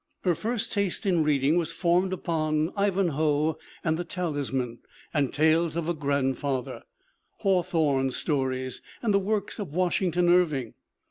Her first taste in reading was formed upon Ivanhoe and The Talisman and Tales of a Grandfather, Haw thorneV stories, and the works of Washington Irving.